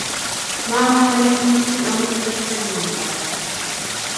Mamach alet mising amu kitakikerwo sang